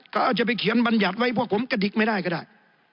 ก็เอาจะไปเขียนบรรยัติไว้พวกผมกระดิกไม่ได้ก็ได้